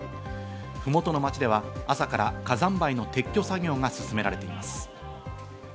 麓の町では朝から火山灰の撤去作業が進められています。